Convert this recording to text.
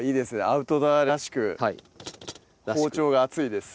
アウトドアらしく包丁が熱いです